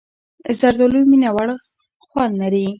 زردالو مینهوړ خوند لري.